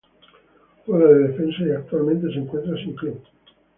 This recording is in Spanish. Juega de defensa y actualmente se encuentra sin club.